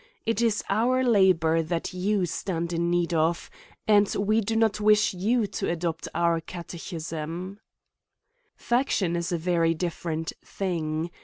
It is our labor that you stand in need of, and we do not wish you to adopt our catechism/' Faction is a very diflFerent thing.